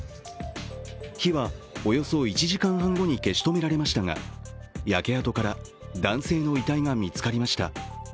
火はおよそ１時間半後に消し止められましたが焼け跡から男性の遺体が見つかりました。